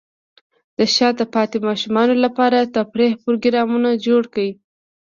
د شاته پاتې ماشومانو لپاره تفریحي پروګرامونه جوړ کړئ.